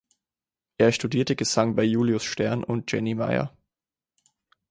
Er studierte Gesang bei Julius Stern und Jenny Meyer.